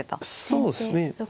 そうですね。